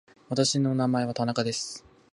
私の名前は田中です。